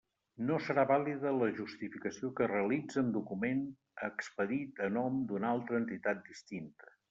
No serà vàlida la justificació que es realitze amb document expedit a nom d'una altra entitat distinta.